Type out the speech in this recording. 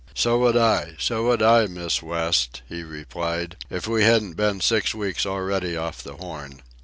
"So would I, so would I, Miss West," he replied; "if we hadn't been six weeks already off the Horn."